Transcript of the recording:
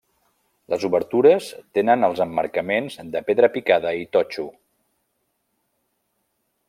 Les obertures tenen els emmarcaments de pedra picada i totxo.